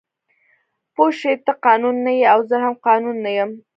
پوه شوې ته قانون نه یې او زه هم قانون نه یم